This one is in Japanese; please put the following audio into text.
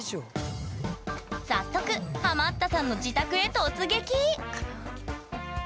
早速ハマったさんの自宅へ突撃！